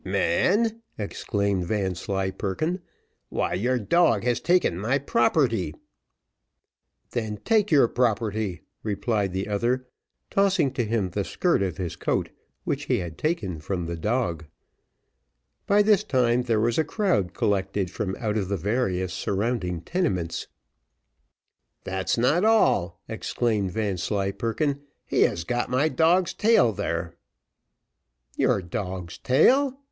"Man!" exclaimed Vanslyperken; "why your dog has taken my property!" "Then take your property," replied the other, tossing to him the skirt of his coat, which he had taken from the dog. By this time there was a crowd collected from out of the various surrounding tenements. "That's not all," exclaimed Vanslyperken; "he has got my dog's tail there." "Your dog's tail!"